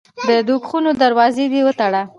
د دوږخونو دروازې دي وتړه.